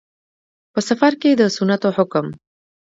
په. سفر کې د سنتو حکم